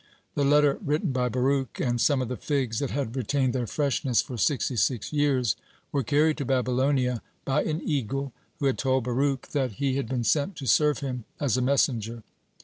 The letter written by Baruch and some of the figs that had retained their freshness for sixty six years were carried to Babylonia by an eagle, who had told Baruch that he had been sent to serve him as a messenger.